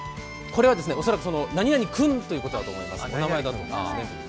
これはですね、恐らく何々君ということだと思います。